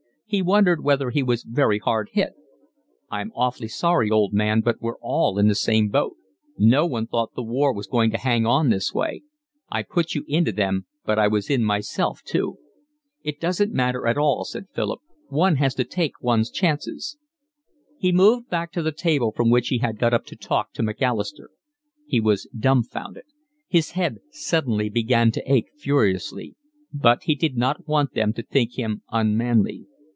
He wondered whether he was very hard hit. "I'm awfully sorry, old man, but we're all in the same boat. No one thought the war was going to hang on this way. I put you into them, but I was in myself too." "It doesn't matter at all," said Philip. "One has to take one's chance." He moved back to the table from which he had got up to talk to Macalister. He was dumfounded; his head suddenly began to ache furiously; but he did not want them to think him unmanly.